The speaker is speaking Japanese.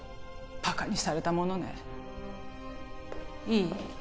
バカにされたものねいい？